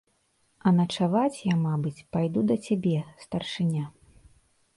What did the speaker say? А начаваць я, мабыць, пайду да цябе, старшыня.